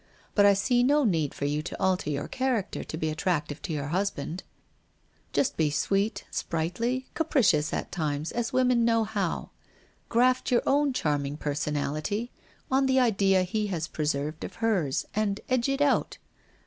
But I see no need for you to alter your character to be attractive to your husband. Just be sweet, sprightly, capricious at times, as women know how. Graft your own charming personality on the idea he has preserved of hers, and edge it out.